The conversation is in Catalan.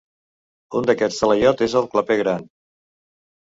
Un d'aquests talaiots és el Claper Gran.